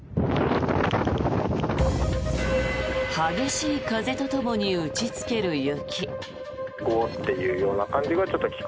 激しい風とともに打ちつける雪。